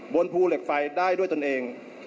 บนภูเหล็กไฟได้ด้วยตนเอง